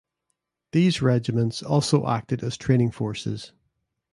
These regiments also acted as training forces.